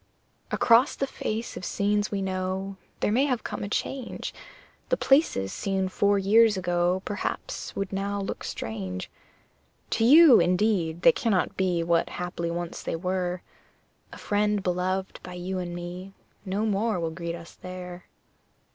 Across the face of scenes we know There may have come a change The places seen four years ago Perhaps would now look strange. To you, indeed, they cannot be What haply once they were: A friend beloved by you and me No more will greet us there.